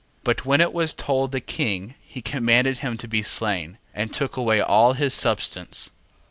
1:22. But when it was told the king, he commanded him to be slain, and took away all his substance.